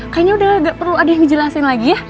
kayaknya udah perlu ada yang ngejelasin lagi ya